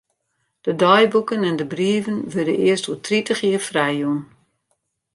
De deiboeken en de brieven wurde earst oer tritich jier frijjûn.